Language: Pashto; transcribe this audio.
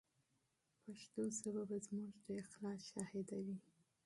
پښتو ژبه به زموږ د اخلاص شاهده وي.